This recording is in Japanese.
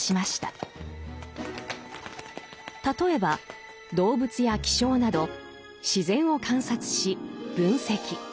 例えば動物や気象など自然を観察し分析。